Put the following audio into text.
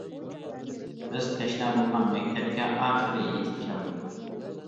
بىز تەشنا بولغان مەكتەپكە ئاخىرى يىتىپ كەلدۇق.